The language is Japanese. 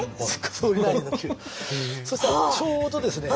そしたらちょうどですね